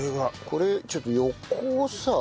これちょっと横をさ。